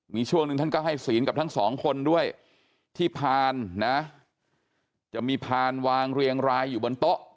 มีช่วงหนึ่งท่านก็ให้ศีลกับทั้งสองคนด้วยที่พานนะจะมีพานวางเรียงรายอยู่บนโต๊ะ